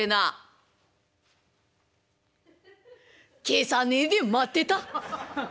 「消さねえで待ってた」。